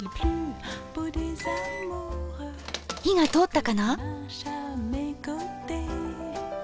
火が通ったかな？